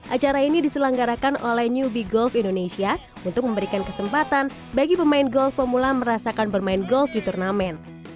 acara ini diselenggarakan oleh newbie golf indonesia untuk memberikan kesempatan bagi pemain golf pemula merasakan bermain golf di turnamen